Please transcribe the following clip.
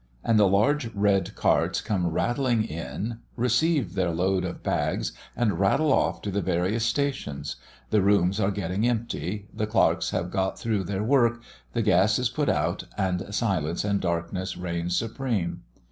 And the large red carts come rattling in receive their load of bags, and rattle off to the various stations; the rooms are getting empty; the clerks have got through their work; the gas is put out, and silence and darkness reign supreme.